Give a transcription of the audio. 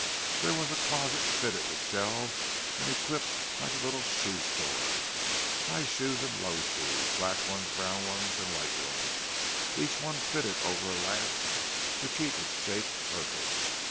There was a closet fitted with shelves and equipped like a little shoe store—high shoes and low shoes, black ones, brown ones, and white ones, and each fitted over a last to keep its shape perfect.